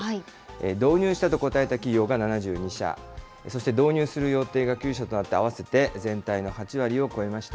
導入したと答えた企業が７２社、そして導入する予定が９社となって合わせて全体の８割を超えました。